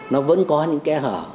nó vẫn có những kẻ hở